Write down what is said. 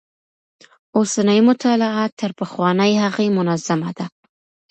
اوسنۍ مطالعه تر پخوانۍ هغې منظمه ده.